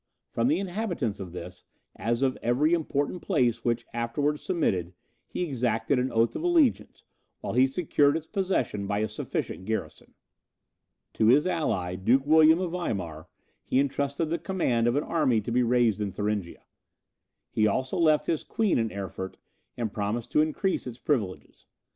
From the inhabitants of this, as of every important place which afterwards submitted, he exacted an oath of allegiance, while he secured its possession by a sufficient garrison. To his ally, Duke William of Weimar, he intrusted the command of an army to be raised in Thuringia. He also left his queen in Erfurt, and promised to increase its privileges.